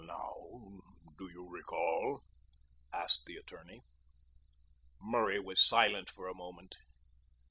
"Now do you recall?" asked the attorney. Murray was silent for a moment.